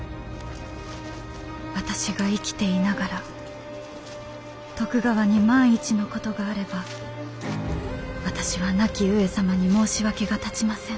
「私が生きていながら徳川に万一のことがあれば私は亡き上様に申し訳が立ちません。